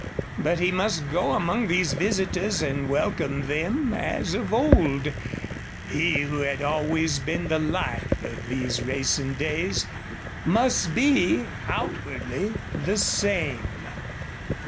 But he must go among these visitors and welcome them as of old; he who had always been the life of these racing days must be outwardly the same.